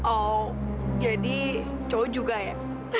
oh jadi cowok juga ya